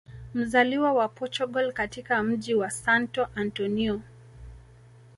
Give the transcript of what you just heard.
Mzaliwa wa portugal katika mji wa Santo Antonio